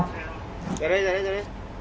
giờ đây giờ đây giờ đây